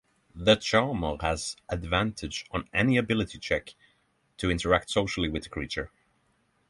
The charmer has advantage on any ability check to interact socially with the creature.